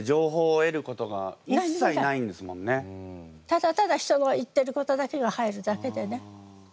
ただただ人が言ってることだけが入るだけでね。